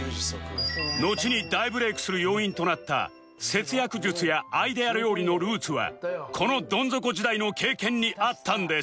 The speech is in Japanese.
のちに大ブレイクする要因となった節約術やアイデア料理のルーツはこのどん底時代の経験にあったんです